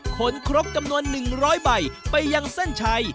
ครบจำนวน๑๐๐ใบไปยังเส้นชัย